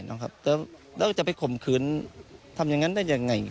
แล้วจะไปข่มขืนทำอย่างนั้นได้ยังไง